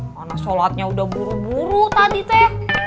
karena sholatnya udah buru buru tadi teh